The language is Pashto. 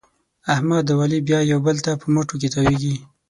احمد او علي بیا یو بل ته په مټو کې تاوېږي.